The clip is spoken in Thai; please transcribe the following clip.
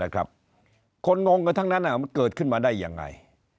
คนงงกันทั้งนั้นมันเกิดขึ้นมาได้ยังไง